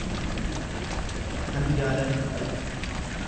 kan jaalalli qabe.